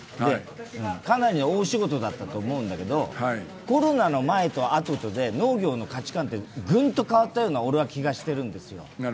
かなり大仕事だったと思うんだけど、コロナの前とあととで農業の価値観ってぐんと変わったような気がしてるんですよ。